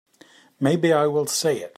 Maybe I will say it.